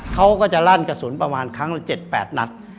เขาก็จะลั่นกระสุนประมาณครั้งละ๗๘นัด